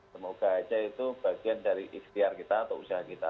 semoga aja itu bagian dari ikhtiar kita atau usaha kita